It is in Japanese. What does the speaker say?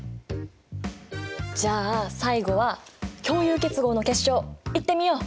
じゃあ最後は共有結合の結晶いってみよう！